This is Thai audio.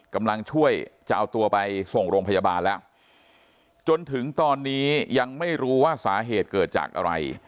กำลังช่วยจะเอาตัวไปส่งโรงพยาบาลแล้วจนถึงตอนนี้ยังไม่รู้ว่าสาเหตุเกิดจากอะไร